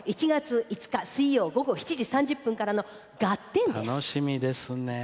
１月５日水曜午後７時３０分からの「ガッテン！」です。